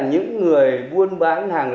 những người buôn bán hàng lậu